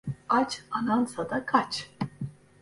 Aç anansa da kaç.